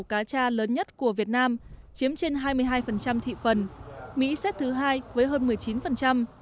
nhiều nhà máy nhập khẩu cá tra lớn nhất của việt nam chiếm trên hai mươi hai thị phần mỹ xét thứ hai với hơn một mươi chín